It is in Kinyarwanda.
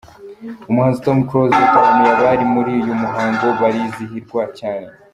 Umuhanzi Tom Close yataramiye abari muri uyu muhango, barizihirwa cyane.